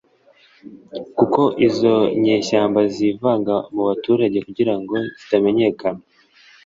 kuko izo nyeshyamba zivanga mu baturage kugirango zitamenyekana